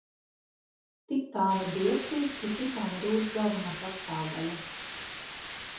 Titāna dioksīds ir titāna rūdas galvenā sastāvdaļa.